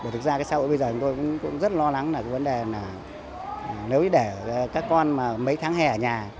thực ra cái xã hội bây giờ chúng tôi cũng rất lo lắng là cái vấn đề là nếu để các con mà mấy tháng hè ở nhà